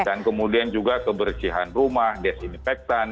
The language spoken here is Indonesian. dan kemudian juga kebersihan rumah desinfektan